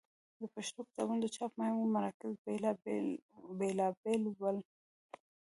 د پښتو کتابونو د چاپ مهم مراکز بېلابېل ول.